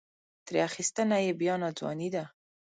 ترې اخیستنه یې بیا ناځواني ده.